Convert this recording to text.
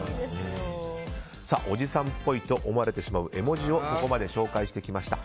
おじさんっぽいと思われてしまう絵文字を紹介してきました。